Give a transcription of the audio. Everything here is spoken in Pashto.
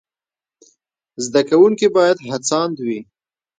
زده کوونکي باید هڅاند وي.